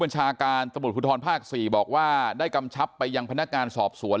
บัญชาการสมุทรพลภาค๔บอกว่าได้กำชับไปยังพนักการสอบสวน